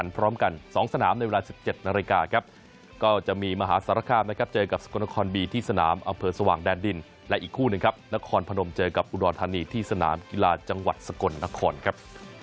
ไปดูโปรแกรมกันหน่อยครับ